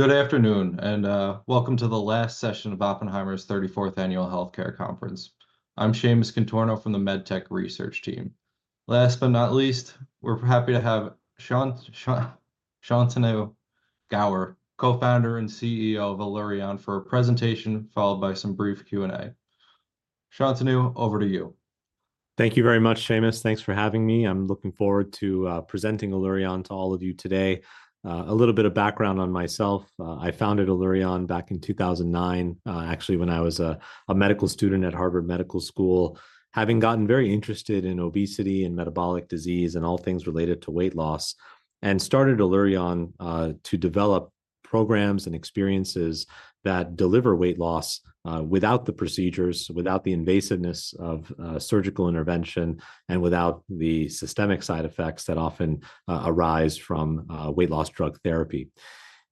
Good afternoon, and welcome to the last session of Oppenheimer's 34th Annual Healthcare Conference. I'm Shaymus Contorno from the MedTech Research Team. Last but not least, we're happy to have Shantanu Gaur, co-founder and CEO of Allurion, for a presentation followed by some brief Q&A. Shantanu, over to you. Thank you very much, Shaymus. Thanks for having me. I'm looking forward to presenting Allurion to all of you today. A little bit of background on myself: I founded Allurion back in 2009, actually when I was a medical student at Harvard Medical School, having gotten very interested in obesity and metabolic disease and all things related to weight loss, and started Allurion to develop programs and experiences that deliver weight loss, without the procedures, without the invasiveness of surgical intervention, and without the systemic side effects that often arise from weight loss drug therapy.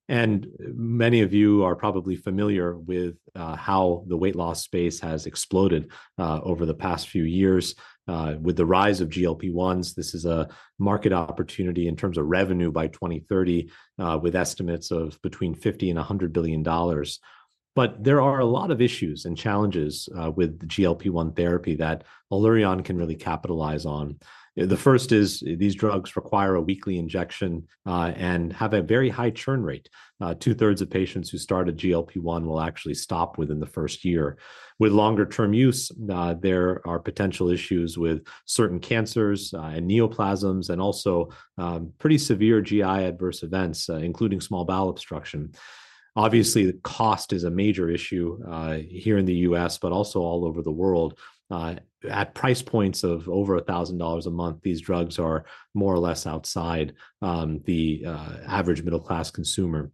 Many of you are probably familiar with how the weight loss space has exploded over the past few years with the rise of GLP-1s. This is a market opportunity in terms of revenue by 2030, with estimates of between $50 billion-$100 billion. But there are a lot of issues and challenges with the GLP-1 therapy that Allurion can really capitalize on. The first is these drugs require a weekly injection and have a very high churn rate. Two-thirds of patients who start a GLP-1 will actually stop within the first year. With longer-term use, there are potential issues with certain cancers and neoplasms and also pretty severe GI-adverse events, including small bowel obstruction. Obviously, the cost is a major issue here in the U.S. but also all over the world. At price points of over $1,000 a month, these drugs are more or less outside the average middle-class consumer.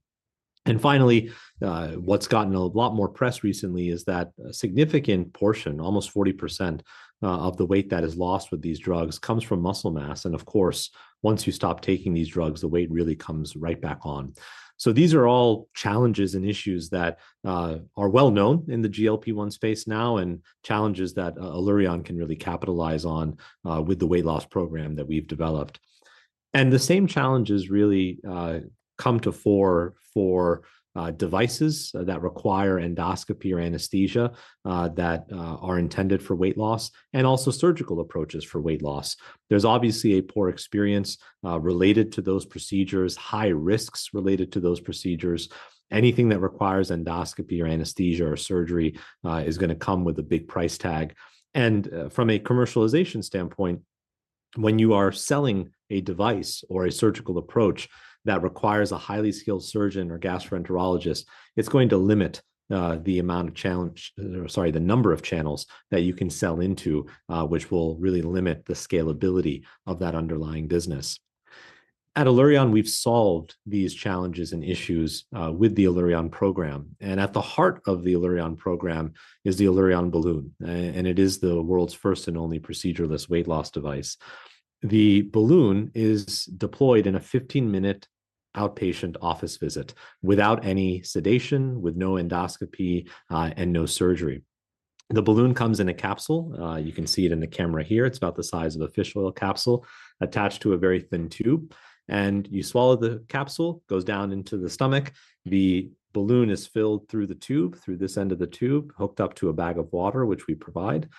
And finally, what's gotten a lot more press recently is that a significant portion, almost 40%, of the weight that is lost with these drugs comes from muscle mass. Of course, once you stop taking these drugs, the weight really comes right back on. These are all challenges and issues that are well-known in the GLP-1 space now and challenges that Allurion can really capitalize on with the weight loss program that we've developed. The same challenges really come to the fore for devices that require endoscopy or anesthesia that are intended for weight loss and also surgical approaches for weight loss. There's obviously a poor experience related to those procedures, high risks related to those procedures. Anything that requires endoscopy or anesthesia or surgery is going to come with a big price tag. From a commercialization standpoint, when you are selling a device or a surgical approach that requires a highly skilled surgeon or gastroenterologist, it's going to limit the number of channels that you can sell into, which will really limit the scalability of that underlying business. At Allurion, we've solved these challenges and issues with the Allurion Program. At the heart of the Allurion Program is the Allurion Balloon, and it is the world's first and only procedureless weight loss device. The balloon is deployed in a 15 minute outpatient office visit without any sedation, with no endoscopy, and no surgery. The balloon comes in a capsule. You can see it in the camera here. It's about the size of a fish oil capsule attached to a very thin tube. And you swallow the capsule; it goes down into the stomach. The balloon is filled through the tube, through this end of the tube, hooked up to a bag of water, which we provide.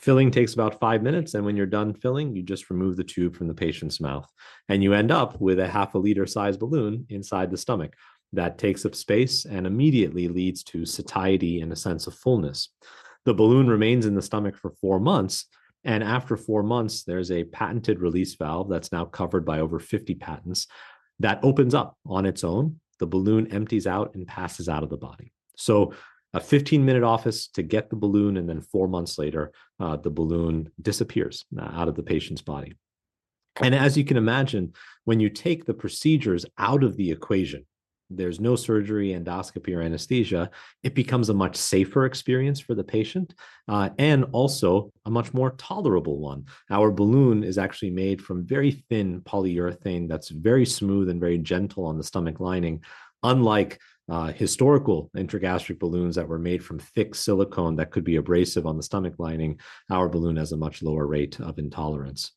Filling takes about five minutes. And when you're done filling, you just remove the tube from the patient's mouth, and you end up with a 0.5 liter sized balloon inside the stomach that takes up space and immediately leads to satiety and a sense of fullness. The balloon remains in the stomach for four months. And after four months, there's a patented release valve that's now covered by over 50 patents that opens up on its own. The balloon empties out and passes out of the body. So a 15 minute office to get the balloon, and then four months later, the balloon disappears, out of the patient's body. And as you can imagine, when you take the procedures out of the equation, there's no surgery, endoscopy, or anesthesia. It becomes a much safer experience for the patient, and also a much more tolerable one. Our balloon is actually made from very thin polyurethane that's very smooth and very gentle on the stomach lining. Unlike historical intragastric balloons that were made from thick silicone that could be abrasive on the stomach lining, our balloon has a much lower rate of intolerance.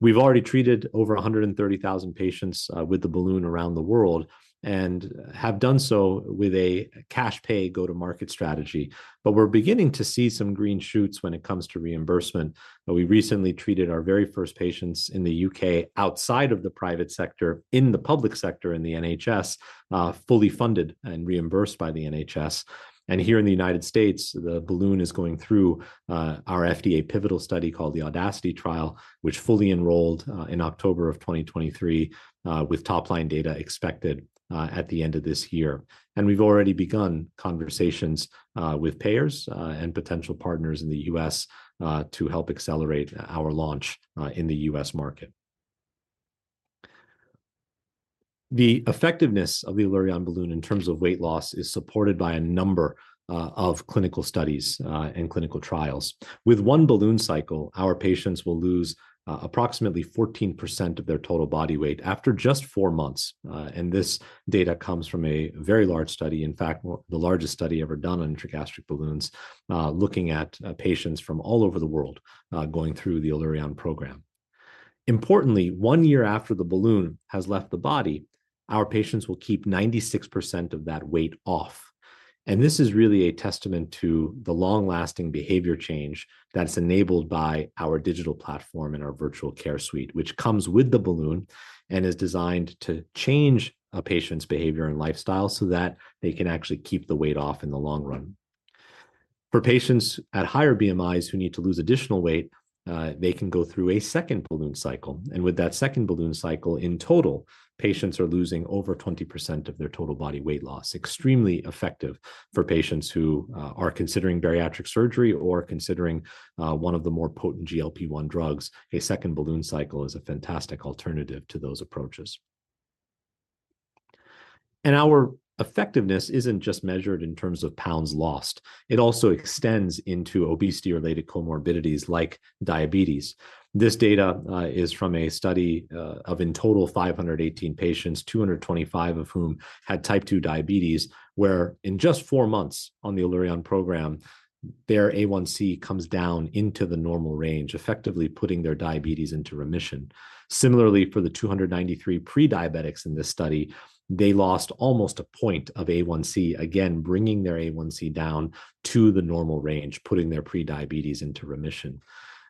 We've already treated over 130,000 patients with the balloon around the world and have done so with a cash-pay go-to-market strategy. But we're beginning to see some green shoots when it comes to reimbursement. We recently treated our very first patients in the U.K. outside of the private sector in the public sector in the NHS, fully funded and reimbursed by the NHS. Here in the United States, the balloon is going through our FDA pivotal study called the AUDACITY trial, which fully enrolled in October 2023, with top-line data expected at the end of this year. We've already begun conversations with payers and potential partners in the U.S. to help accelerate our launch in the U.S. market. The effectiveness of the Allurion Balloon in terms of weight loss is supported by a number of clinical studies and clinical trials. With one balloon cycle, our patients will lose approximately 14% of their total body weight after just four months. And this data comes from a very large study, in fact, the largest study ever done on intragastric balloons, looking at patients from all over the world, going through the Allurion Program. Importantly, one year after the balloon has left the body, our patients will keep 96% of that weight off. This is really a testament to the long-lasting behavior change that's enabled by our digital platform and our Virtual Care Suite, which comes with the balloon and is designed to change a patient's behavior and lifestyle so that they can actually keep the weight off in the long run. For patients at higher BMIs who need to lose additional weight, they can go through a second balloon cycle. And with that second balloon cycle, in total, patients are losing over 20% of their total body weight loss, extremely effective for patients who are considering bariatric surgery or considering one of the more potent GLP-1 drugs. A second balloon cycle is a fantastic alternative to those approaches. And our effectiveness isn't just measured in terms of pounds lost. It also extends into obesity-related comorbidities like diabetes. This data is from a study of in total 518 patients, 225 of whom had Type 2 diabetes, where in just four months on the Allurion Program, their A1c comes down into the normal range, effectively putting their diabetes into remission. Similarly, for the 293 prediabetics in this study, they lost almost a point of A1c, again bringing their A1c down to the normal range, putting their prediabetes into remission.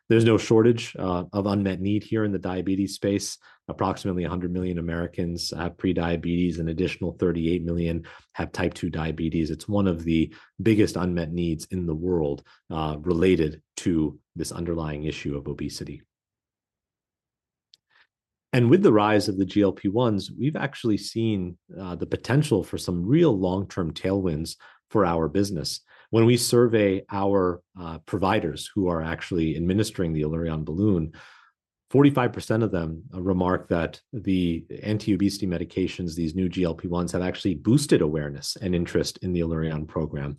There's no shortage of unmet need here in the diabetes space. Approximately 100 million Americans have prediabetes, and an additional 38 million have Type 2 diabetes. It's one of the biggest unmet needs in the world, related to this underlying issue of obesity. And with the rise of the GLP-1s, we've actually seen the potential for some real long-term tailwinds for our business. When we survey our providers who are actually administering the Allurion Balloon, 45% of them remark that the anti-obesity medications, these new GLP-1s, have actually boosted awareness and interest in the Allurion Program.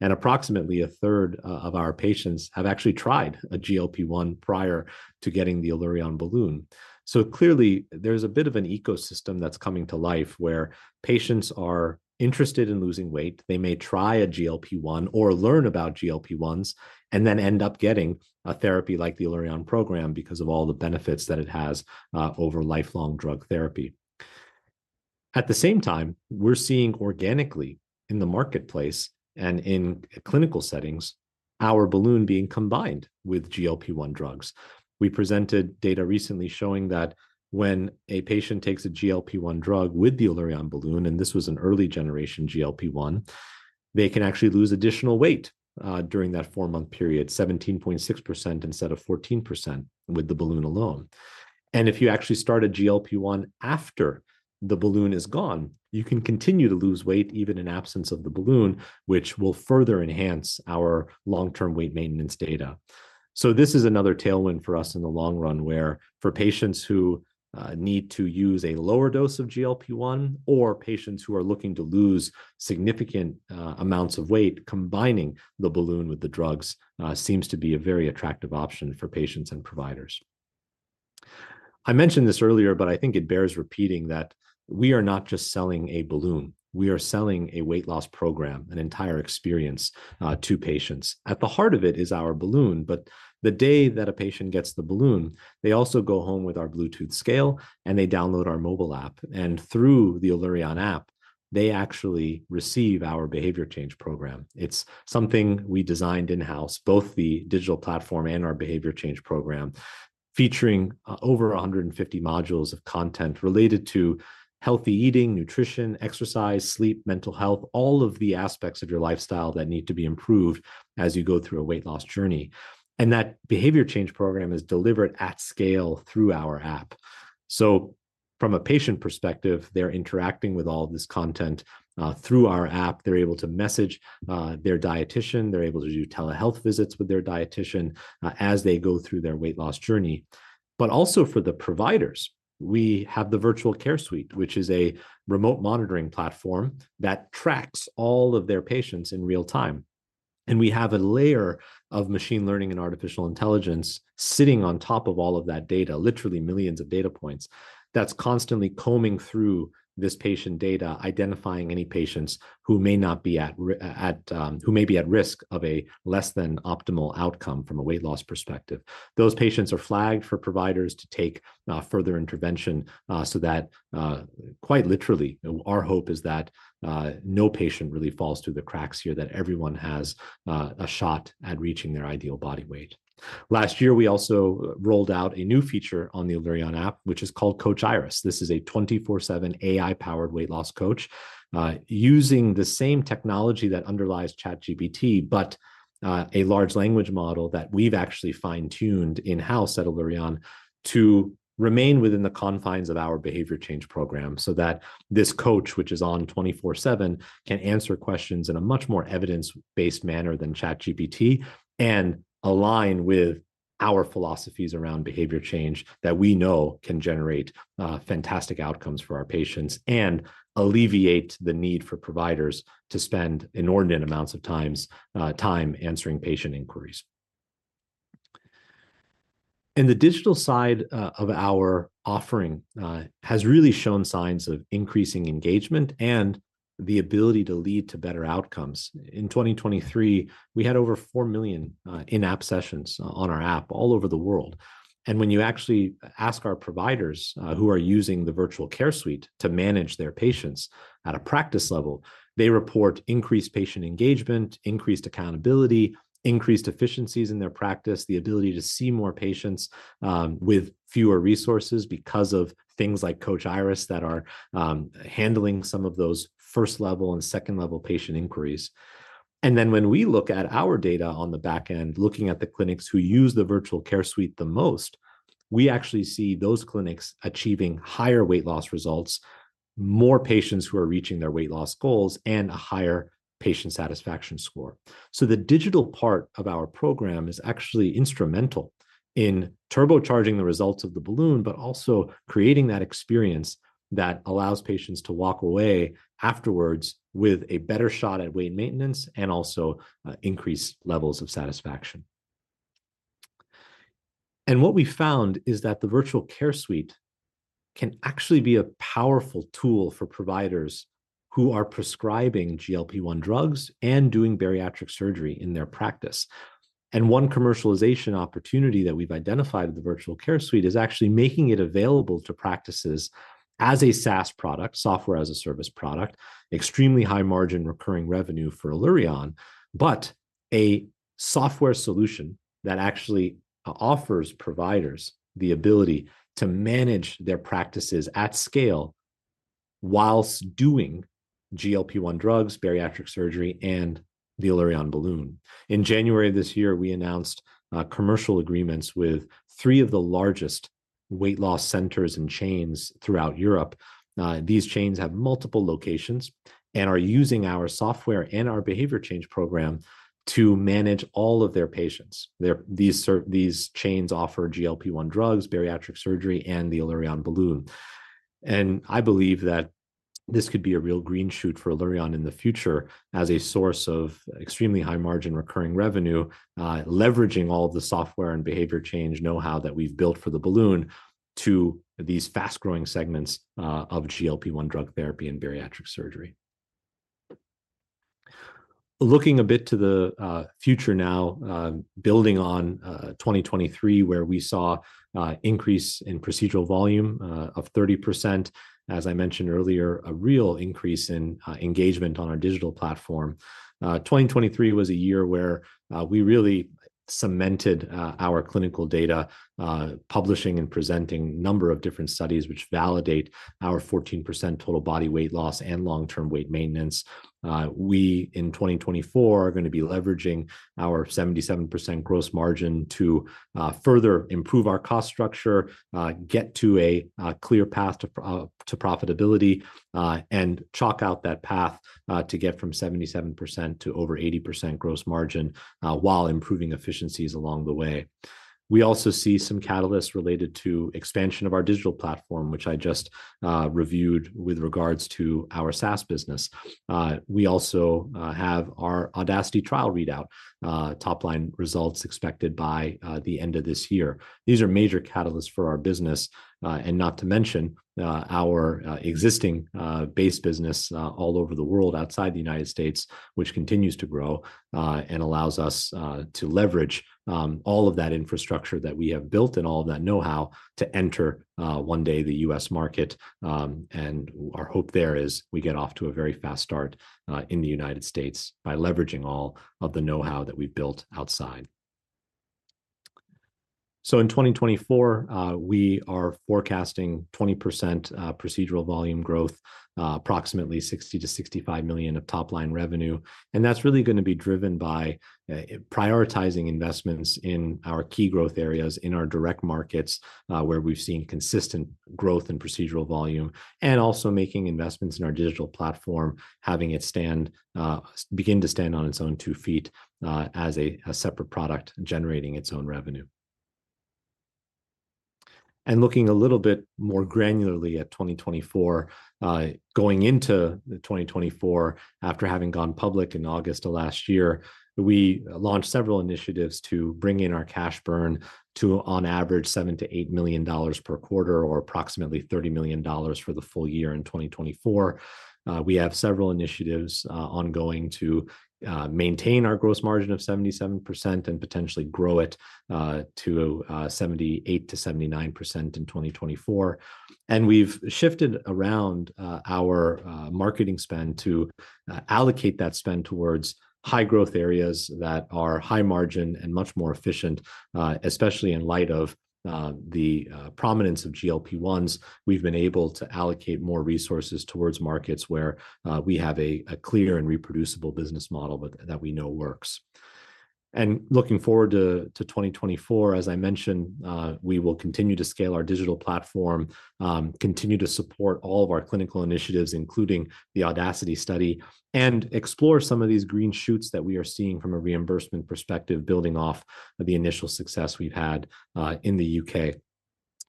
Approximately a third of our patients have actually tried a GLP-1 prior to getting the Allurion Balloon. So clearly, there's a bit of an ecosystem that's coming to life where patients are interested in losing weight. They may try a GLP-1 or learn about GLP-1s and then end up getting a therapy like the Allurion Program because of all the benefits that it has, over lifelong drug therapy. At the same time, we're seeing organically in the marketplace and in clinical settings our balloon being combined with GLP-1 drugs. We presented data recently showing that when a patient takes a GLP-1 drug with the Allurion Balloon, and this was an early-generation GLP-1, they can actually lose additional weight, during that four month period, 17.6% instead of 14% with the Balloon alone. And if you actually start a GLP-1 after the Balloon is gone, you can continue to lose weight even in absence of the Balloon, which will further enhance our long-term weight maintenance data. So this is another tailwind for us in the long run where for patients who, need to use a lower dose of GLP-1 or patients who are looking to lose significant, amounts of weight, combining the Balloon with the drugs, seems to be a very attractive option for patients and providers. I mentioned this earlier, but I think it bears repeating that we are not just selling a Balloon. We are selling a weight loss program, an entire experience, to patients. At the heart of it is our balloon. But the day that a patient gets the balloon, they also go home with our Bluetooth scale, and they download our mobile app. And through the Allurion app, they actually receive our behavior change program. It's something we designed in-house, both the digital platform and our behavior change program, featuring over 150 modules of content related to healthy eating, nutrition, exercise, sleep, mental health, all of the aspects of your lifestyle that need to be improved as you go through a weight loss journey. And that behavior change program is delivered at scale through our app. So from a patient perspective, they're interacting with all of this content, through our app. They're able to message their dietitian. They're able to do telehealth visits with their dietitian, as they go through their weight loss journey. But also for the providers, we have the Virtual Care Suite, which is a remote monitoring platform that tracks all of their patients in real time. And we have a layer of machine learning and artificial intelligence sitting on top of all of that data, literally millions of data points, that's constantly combing through this patient data, identifying any patients who may not be at who may be at risk of a less than optimal outcome from a weight loss perspective. Those patients are flagged for providers to take further intervention, so that quite literally our hope is that no patient really falls through the cracks here, that everyone has a shot at reaching their ideal body weight. Last year, we also rolled out a new feature on the Allurion App, which is called Coach Iris. This is a 24/7 AI-powered weight loss coach, using the same technology that underlies ChatGPT, but a large language model that we've actually fine-tuned in-house at Allurion to remain within the confines of our behavior change program so that this coach, which is on 24/7, can answer questions in a much more evidence-based manner than ChatGPT and align with our philosophies around behavior change that we know can generate fantastic outcomes for our patients and alleviate the need for providers to spend inordinate amounts of times answering patient inquiries. The digital side of our offering has really shown signs of increasing engagement and the ability to lead to better outcomes. In 2023, we had over 4 million in-app sessions on our app all over the world. When you actually ask our providers, who are using the Virtual Care Suite to manage their patients at a practice level, they report increased patient engagement, increased accountability, increased efficiencies in their practice, the ability to see more patients with fewer resources because of things like Coach Iris that are handling some of those first-level and second-level patient inquiries. Then when we look at our data on the back end, looking at the clinics who use the Virtual Care Suite the most, we actually see those clinics achieving higher weight loss results, more patients who are reaching their weight loss goals, and a higher patient satisfaction score. So the digital part of our program is actually instrumental in turbocharging the results of the balloon, but also creating that experience that allows patients to walk away afterwards with a better shot at weight maintenance and also increased levels of satisfaction. What we found is that the Virtual Care Suite can actually be a powerful tool for providers who are prescribing GLP-1 drugs and doing bariatric surgery in their practice. One commercialization opportunity that we've identified with the Virtual Care Suite is actually making it available to practices as a SaaS product, software as a service product, extremely high-margin recurring revenue for Allurion, but a software solution that actually offers providers the ability to manage their practices at scale while doing GLP-1 drugs, bariatric surgery, and the Allurion Balloon. In January 2024, we announced commercial agreements with three of the largest weight loss centers and chains throughout Europe. These chains have multiple locations and are using our software and our behavior change program to manage all of their patients. These chains offer GLP-1 drugs, bariatric surgery, and the Allurion Balloon. And I believe that this could be a real green shoot for Allurion in the future as a source of extremely high-margin recurring revenue, leveraging all of the software and behavior change know-how that we've built for the balloon to these fast-growing segments of GLP-1 drug therapy and bariatric surgery. Looking a bit to the future now, building on 2023, where we saw an increase in procedural volume of 30%. As I mentioned earlier, a real increase in engagement on our digital platform. 2023 was a year where we really cemented our clinical data, publishing and presenting a number of different studies which validate our 14% total body weight loss and long-term weight maintenance. We, in 2024, are going to be leveraging our 77% gross margin to further improve our cost structure, get to a clear path to profitability, and chalk out that path to get from 77% to over 80% gross margin, while improving efficiencies along the way. We also see some catalysts related to expansion of our digital platform, which I just reviewed with regards to our SaaS business. We also have our AUDACITY trial readout, top-line results expected by the end of this year. These are major catalysts for our business, and not to mention, our existing base business all over the world outside the United States, which continues to grow and allows us to leverage all of that infrastructure that we have built and all of that know-how to enter one day the U.S. market. And our hope there is we get off to a very fast start in the United States by leveraging all of the know-how that we've built outside. So in 2024, we are forecasting 20% procedural volume growth, approximately $60 million to $65 million of top-line revenue. And that's really going to be driven by prioritizing investments in our key growth areas, in our direct markets, where we've seen consistent growth in procedural volume, and also making investments in our digital platform, having it stand, begin to stand on its own two feet, as a a separate product generating its own revenue. And looking a little bit more granularly at 2024, going into 2024, after having gone public in August of last year, we launched several initiatives to bring in our cash burn to, on average, $7 million to $8 million per quarter or approximately $30 million for the full year in 2024. We have several initiatives ongoing to maintain our gross margin of 77% and potentially grow it to 78% to 79% in 2024. And we've shifted around our marketing spend to allocate that spend towards high-growth areas that are high-margin and much more efficient, especially in light of the prominence of GLP-1s. We've been able to allocate more resources towards markets where we have a clear and reproducible business model that we know works. And looking forward to 2024, as I mentioned, we will continue to scale our digital platform, continue to support all of our clinical initiatives, including the AUDACITY study, and explore some of these green shoots that we are seeing from a reimbursement perspective, building off the initial success we've had in the U.K.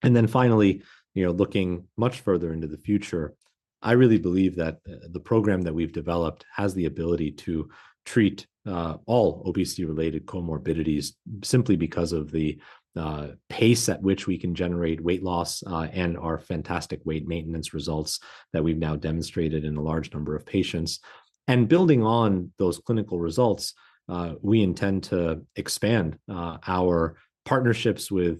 And then finally, you know, looking much further into the future, I really believe that the program that we've developed has the ability to treat all obesity-related comorbidities simply because of the pace at which we can generate weight loss, and our fantastic weight maintenance results that we've now demonstrated in a large number of patients. And building on those clinical results, we intend to expand our partnerships with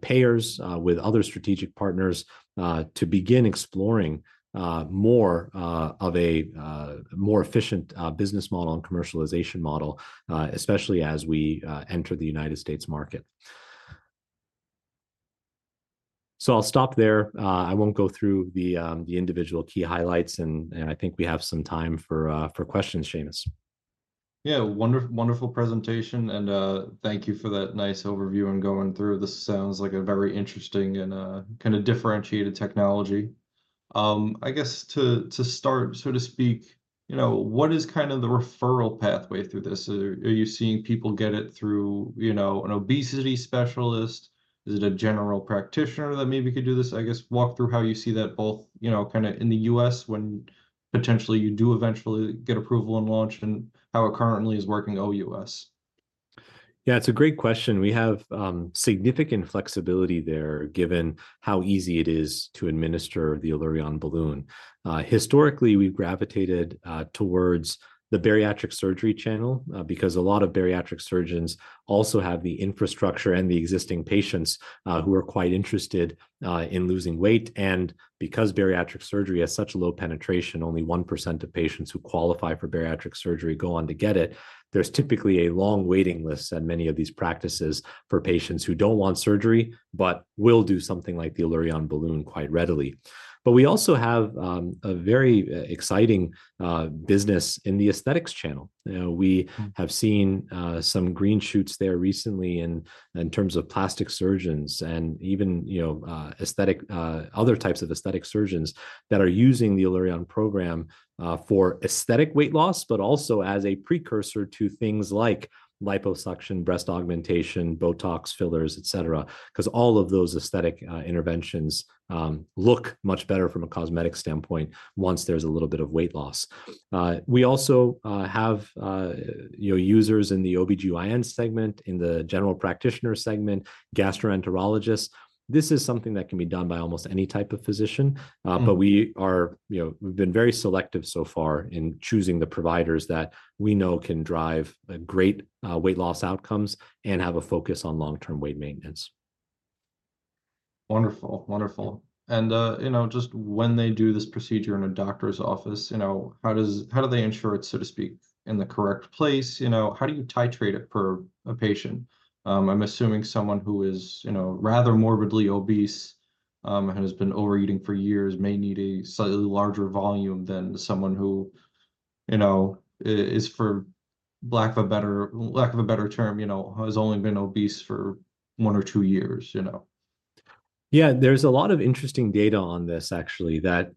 payers, with other strategic partners, to begin exploring more of a more efficient business model and commercialization model, especially as we enter the United States market. So I'll stop there. I won't go through the individual key highlights. And I think we have some time for questions, Shaymus. Yeah, wonderful, wonderful presentation. And thank you for that nice overview and going through. This sounds like a very interesting and kind of differentiated technology. I guess to start, so to speak, you know, what is kind of the referral pathway through this? Are you seeing people get it through, you know, an obesity specialist? Is it a general practitioner that maybe could do this? I guess walk through how you see that both, you know, kind of in the U.S. when potentially you do eventually get approval and launch and how it currently is working OUS. Yeah, it's a great question. We have significant flexibility there given how easy it is to administer the Allurion Balloon. Historically, we've gravitated towards the bariatric surgery channel, because a lot of bariatric surgeons also have the infrastructure and the existing patients who are quite interested in losing weight. Because bariatric surgery has such low penetration, only 1% of patients who qualify for bariatric surgery go on to get it. There's typically a long waiting list at many of these practices for patients who don't want surgery but will do something like the Allurion Balloon quite readily. But we also have a very exciting business in the aesthetics channel. You know, we have seen some green shoots there recently in terms of plastic surgeons and even, you know, aesthetic other types of aesthetic surgeons that are using the Allurion Program for aesthetic weight loss but also as a precursor to things like liposuction, breast augmentation, Botox, fillers, et cetera, because all of those aesthetic interventions look much better from a cosmetic standpoint once there's a little bit of weight loss. We also have, you know, users in the OB/GYN segment, in the general practitioner segment, gastroenterologists. This is something that can be done by almost any type of physician. But we are, you know, we've been very selective so far in choosing the providers that we know can drive great weight loss outcomes and have a focus on long-term weight maintenance. Wonderful, wonderful. And, you know, just when they do this procedure in a doctor's office, you know, how do they ensure it's, so to speak, in the correct place? You know, how do you titrate it per a patient? I'm assuming someone who is, you know, rather morbidly obese, and has been overeating for years may need a slightly larger volume than someone who, you know, is, for lack of a better term, you know, has only been obese for one or two years, you know? Yeah, there's a lot of interesting data on this, actually, that,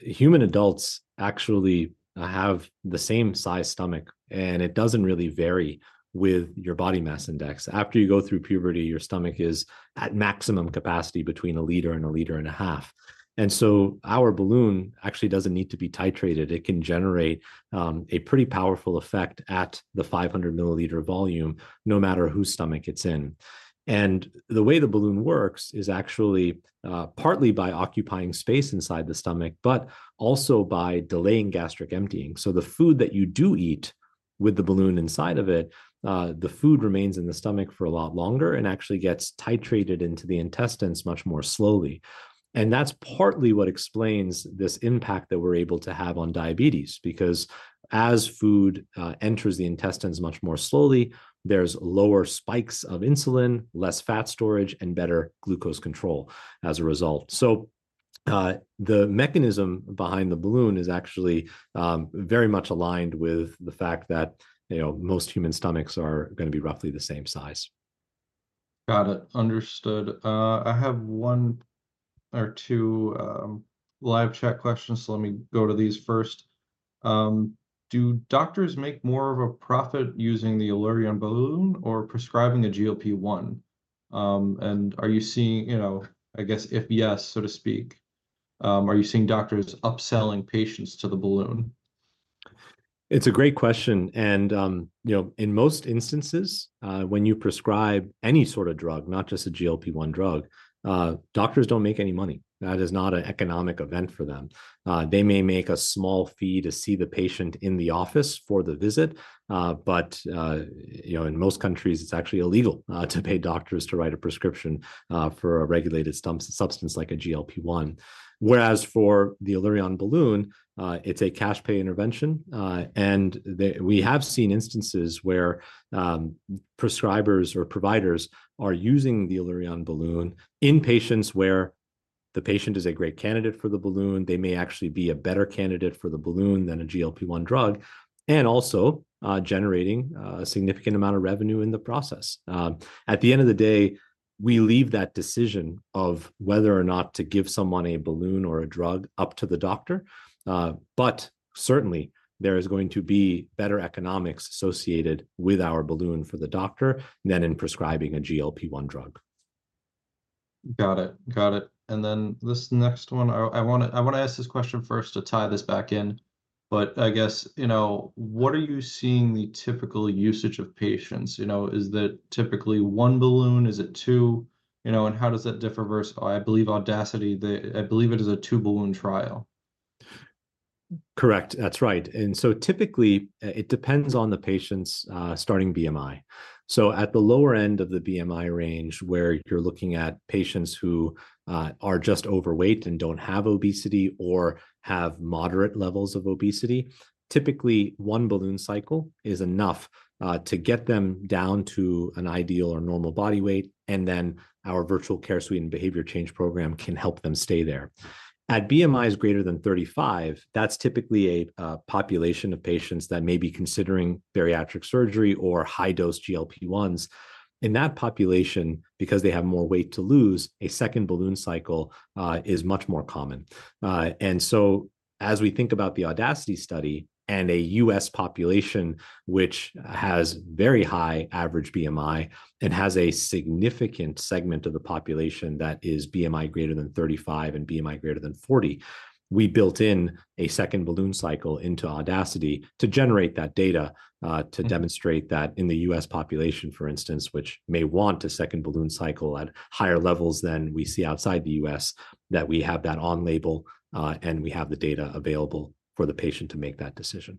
human adults actually, have the same size stomach, and it doesn't really vary with your body mass index. After you go through puberty, your stomach is at maximum capacity between 1 liter and 1.5 liters. And so our balloon actually doesn't need to be titrated. It can generate, a pretty powerful effect at the 500-milliliter volume no matter whose stomach it's in. And the way the balloon works is actually, partly by occupying space inside the stomach but also by delaying gastric emptying. So the food that you do eat with the balloon inside of it, the food remains in the stomach for a lot longer and actually gets titrated into the intestines much more slowly. And that's partly what explains this impact that we're able to have on diabetes, because as food enters the intestines much more slowly, there's lower spikes of insulin, less fat storage, and better glucose control as a result. So, the mechanism behind the balloon is actually very much aligned with the fact that, you know, most human stomachs are going to be roughly the same size. Got it, understood. I have one or two live chat questions, so let me go to these first. Do doctors make more of a profit using the Allurion Balloon or prescribing a GLP-1? And are you seeing, you know, I guess if yes, so to speak, are you seeing doctors upselling patients to the balloon? It's a great question. And, you know, in most instances, when you prescribe any sort of drug, not just a GLP-1 drug, doctors don't make any money. That is not an economic event for them. They may make a small fee to see the patient in the office for the visit. But, you know, in most countries, it's actually illegal to pay doctors to write a prescription for a regulated substance like a GLP-1. Whereas for the Allurion Balloon, it's a cash-pay intervention. And we have seen instances where prescribers or providers are using the Allurion Balloon in patients where the patient is a great candidate for the balloon. They may actually be a better candidate for the balloon than a GLP-1 drug and also generating a significant amount of revenue in the process. At the end of the day, we leave that decision of whether or not to give someone a balloon or a drug up to the doctor. But certainly, there is going to be better economics associated with our balloon for the doctor than in prescribing a GLP-1 drug. Got it, got it. And then this next one, I want to ask this question first to tie this back in, but I guess, you know, what are you seeing the typical usage of patients? You know, is it typically one balloon? Is it two? You know, and how does that differ versus, I believe, AUDACITY? I believe it is a two-balloon trial. Correct, that's right. And so typically, it depends on the patient's starting BMI. So at the lower end of the BMI range, where you're looking at patients who are just overweight and don't have obesity or have moderate levels of obesity, typically one balloon cycle is enough to get them down to an ideal or normal body weight, and then our Virtual Care Suite and Behavior Change Program can help them stay there. At BMIs greater than 35, that's typically a population of patients that may be considering bariatric surgery or high-dose GLP-1s. In that population, because they have more weight to lose, a second balloon cycle is much more common, and so as we think about the AUDACITY study and a U.S. population which has very high average BMI and has a significant segment of the population that is BMI greater than 35 and BMI greater than 40, we built in a second balloon cycle into AUDACITY to generate that data, to demonstrate that in the U.S. population, for instance, which may want a second balloon cycle at higher levels than we see outside the U.S., that we have that on-label, and we have the data available for the patient to make that decision.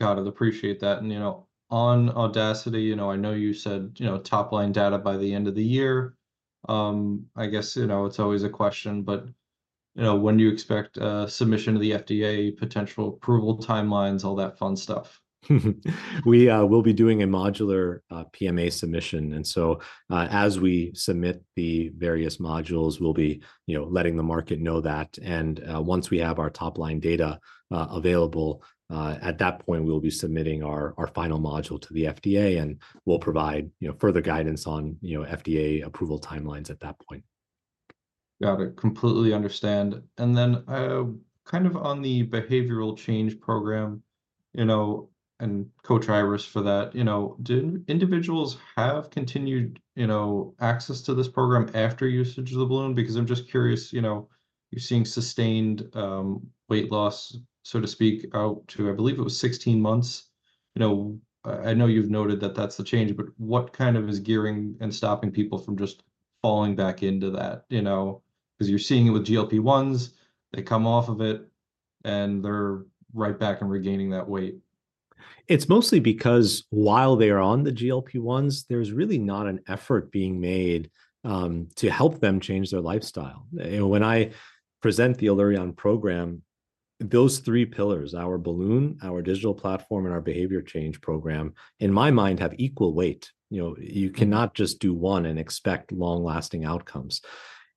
Got it, appreciate that. And, you know, on AUDACITY, you know, I know you said, you know, top-line data by the end of the year. I guess, you know, it's always a question, but, you know, when do you expect a submission to the FDA, potential approval timelines, all that fun stuff? We will be doing a modular PMA submission. So, as we submit the various modules, we'll be, you know, letting the market know that. Once we have our top-line data available, at that point, we'll be submitting our final module to the FDA, and we'll provide, you know, further guidance on, you know, FDA approval timelines at that point. Got it, completely understand. Then, kind of on the Behavior Change Program, you know, and coaches for that, you know, do individuals have continued, you know, access to this program after usage of the balloon? Because I'm just curious, you know, you're seeing sustained weight loss, so to speak, out to, I believe it was 16 months. You know, I know you've noted that that's the change, but what kind of is keeping and stopping people from just falling back into that? You know, because you're seeing it with GLP-1s, they come off of it, and they're right back and regaining that weight. It's mostly because while they are on the GLP-1s, there's really not an effort being made to help them change their lifestyle. You know, when I present the Allurion Program, those three pillars, our balloon, our digital platform, and our behavior change program, in my mind, have equal weight. You know, you cannot just do one and expect long-lasting outcomes.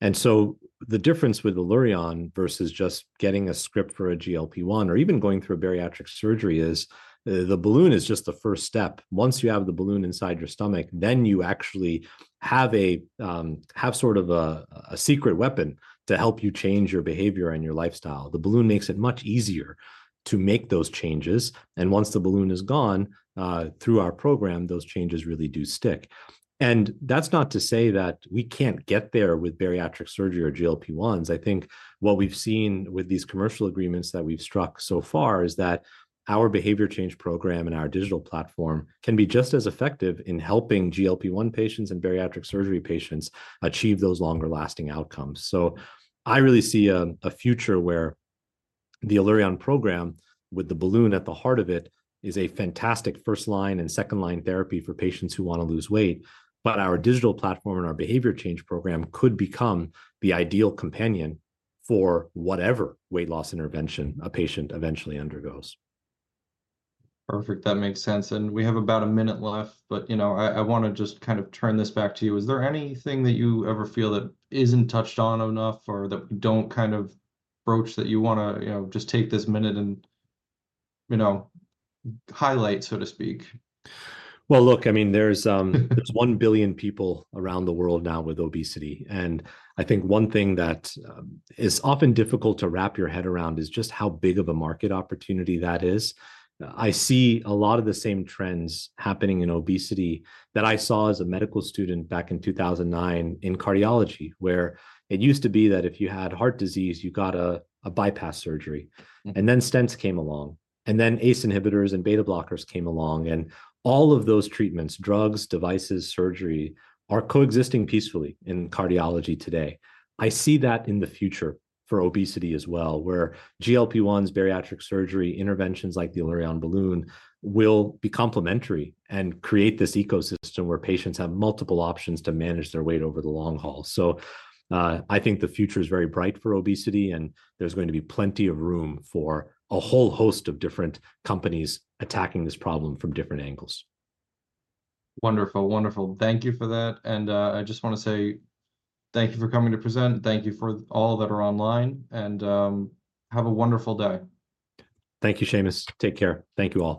And so the difference with Allurion versus just getting a script for a GLP-1 or even going through a bariatric surgery is the balloon is just the first step. Once you have the balloon inside your stomach, then you actually have sort of a secret weapon to help you change your behavior and your lifestyle. The balloon makes it much easier to make those changes. And once the balloon is gone, through our program, those changes really do stick. And that's not to say that we can't get there with bariatric surgery or GLP-1s. I think what we've seen with these commercial agreements that we've struck so far is that our Behavior Change Program and our digital platform can be just as effective in helping GLP-1 patients and bariatric surgery patients achieve those longer-lasting outcomes. So I really see a future where the Allurion Program, with the balloon at the heart of it, is a fantastic first-line and second-line therapy for patients who want to lose weight, but our digital platform and our Behavior Change Program could become the ideal companion for whatever weight loss intervention a patient eventually undergoes. Perfect, that makes sense. And we have about a minute left, but, you know, I want to just kind of turn this back to you. Is there anything that you ever feel that isn't touched on enough or that we don't kind of broach that you want to, you know, just take this minute and, you know, highlight, so to speak? Well, look, I mean, there's 1 billion people around the world now with obesity. And I think one thing that is often difficult to wrap your head around is just how big of a market opportunity that is. I see a lot of the same trends happening in obesity that I saw as a medical student back in 2009 in cardiology, where it used to be that if you had heart disease, you got a bypass surgery, and then stents came along, and then ACE inhibitors and beta-blockers came along. And all of those treatments, drugs, devices, surgery, are coexisting peacefully in cardiology today. I see that in the future for obesity as well, where GLP-1s, bariatric surgery, interventions like the Allurion Balloon will be complementary and create this ecosystem where patients have multiple options to manage their weight over the long haul. So, I think the future is very bright for obesity, and there's going to be plenty of room for a whole host of different companies attacking this problem from different angles. Wonderful, wonderful. Thank you for that. I just want to say thank you for coming to present. Thank you for all that are online, and have a wonderful day. Thank you, Seamus. Take care. Thank you all.